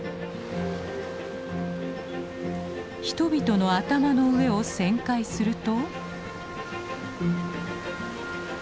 人々の頭の上を旋回すると。